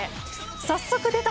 早速出た！